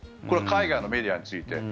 これは海外のメディアについて。